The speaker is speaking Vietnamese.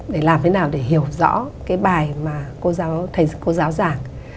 để làm thế nào để hiểu rõ cái bài mà cô giáo giảng